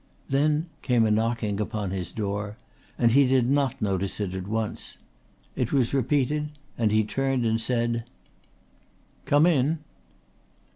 Then came a knocking upon his door, and he did not notice it at once. It was repeated and he turned and said: "Come in!"